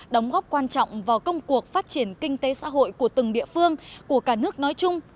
đóng góp quan trọng vào công cuộc phát triển kinh tế xã hội của từng địa phương của cả nước nói chung